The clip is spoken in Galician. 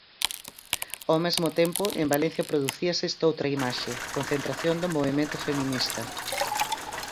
Ao mesmo tempo, en Valencia producíase estoutra imaxe: concentración do Movemento Feminista.